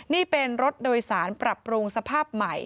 นี่เป็นรถโดยสารปรับปรุงสภาพใหม่